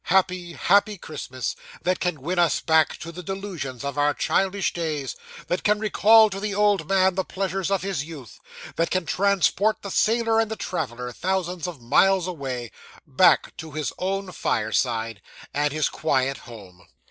Happy, happy Christmas, that can win us back to the delusions of our childish days; that can recall to the old man the pleasures of his youth; that can transport the sailor and the traveller, thousands of miles away, back to his own fireside and his quiet home!